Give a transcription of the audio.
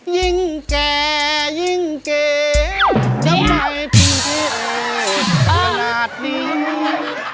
ยิ่งแก่ยิ่งเก๋ทำไมจริงที่เอ๋ยเวลาที่แบ้งนี้